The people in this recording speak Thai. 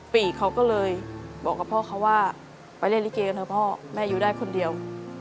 ปีเขาก็เลยบอกกับพ่อเขาว่าไปเล่นลิเกนะพ่อแม่อยู่ได้คนเดียว